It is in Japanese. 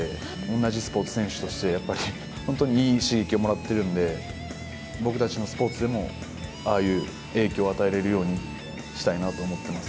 同じスポーツ選手として、やっぱり本当にいい刺激をもらっているんで、僕たちのスポーツでも、ああいう影響を与えられるようにしたいなと思ってます。